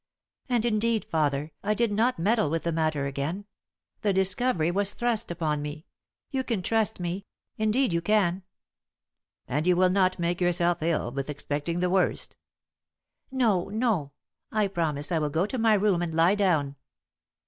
"And, indeed, father, I did not meddle with the matter again. The discovery was thrust upon me. You can trust me, indeed you can." "And you will not make yourself ill with expecting the worst?" "No, no; I promise I will go to my room and lie down."